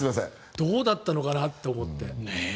どうだったのかなと思って。